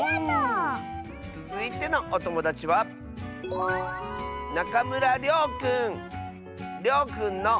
つづいてのおともだちはりょうくんの。